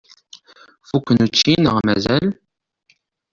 Fukken učči neɣ mazal?